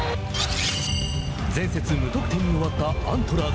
前節、無得点に終わったアントラーズ。